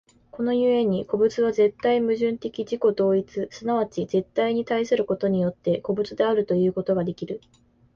この故に個物は絶対矛盾的自己同一、即ち絶対に対することによって、個物であるということができる。